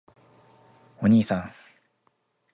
おにいさん！！！